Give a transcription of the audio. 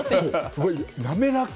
滑らか！